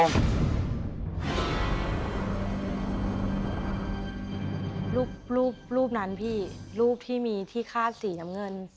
รูปนั้นพี่รูปที่มีที่คาดสีน้ำเงิน